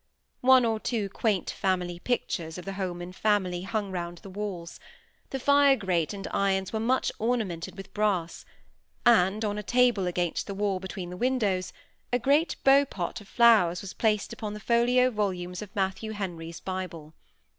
One or two quaint family pictures of the Holman family hung round the walls; the fire grate and irons were much ornamented with brass; and on a table against the wall between the windows, a great beau pot of flowers was placed upon the folio volumes of Matthew Henry's Bible.